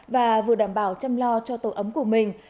và vừa đảm bảo chăm lo cho tổ ấm của mình